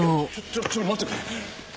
ちょっと待ってくれ！